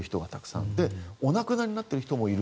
そして、お亡くなりになっている人もいる。